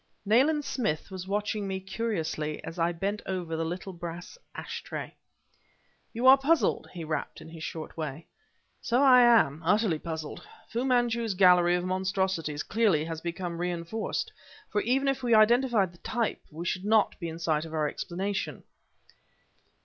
Nayland Smith was watching me curiously as I bent over the little brass ash tray. "You are puzzled," he rapped in his short way. "So am I utterly puzzled. Fu Manchu's gallery of monstrosities clearly has become reinforced; for even if we identified the type, we should not be in sight of our explanation."